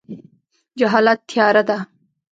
جهالت تیاره ده